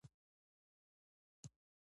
کاوه او ضحاک افسانې دلته رامینځته شوې